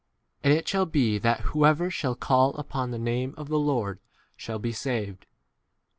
And it shall be that whoever shall call upon the name of [the] Lord shall 22 be saved.